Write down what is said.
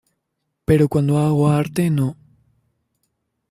Pero cuando hago arte no.